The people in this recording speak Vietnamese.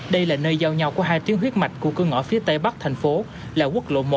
đây là nơi giao nhau của hai tuyến huyết mạch của cửa ngõ phía tây bắc thành phố là quốc lộ một